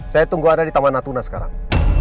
saya tunggu anda di taman natuna sekarang